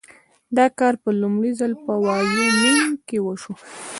دا کار په لومړي ځل په وایومینګ کې وشو.